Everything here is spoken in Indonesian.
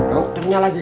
dokternya lagi kejar